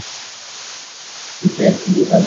hasa ruva kuki ameandaa taarifa ifuatayo